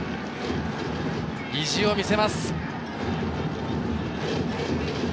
意地を見せます。